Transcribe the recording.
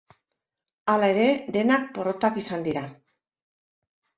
Hala ere, denak porrotak izan dira.